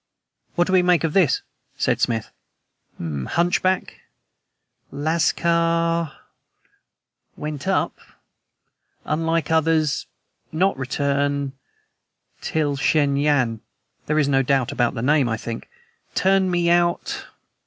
"What do we make of this?" said Smith. "'... Hunchback ... lascar went up ... unlike others ... not return ... till Shen Yan' (there is no doubt about the name, I think) 'turned me out